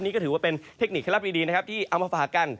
นี่ก็ถือว่าเป็นเทคนิคเคลับดีนะครับที่เอามาฝากกัน